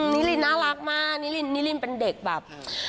นิรินน่ารักมากนิรินเป็นเด็กแบบ